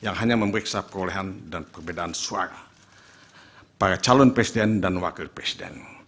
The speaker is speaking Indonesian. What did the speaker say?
yang hanya memeriksa perolehan dan perbedaan suara para calon presiden dan wakil presiden